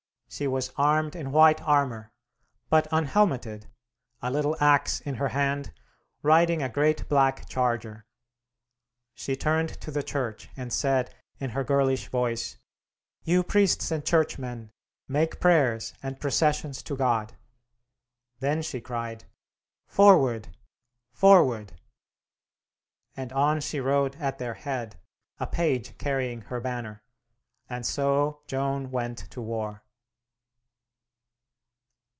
She was armed in white armor, but unhelmeted, a little axe in her hand, riding a great black charger. She turned to the church, and said, in her girlish voice, "You priests and churchmen, make prayers and processions to God." Then she cried, "Forward, Forward!" and on she rode at their head, a page carrying her banner. And so Joan went to war.